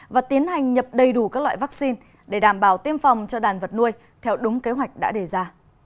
và tiến hành nhập đầy đủ các loại vaccine để đảm bảo tiêm phòng cho đàn vật nuôi theo đúng kế hoạch đã đề ra